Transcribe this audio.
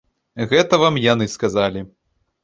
Гэта вам яны сказалі.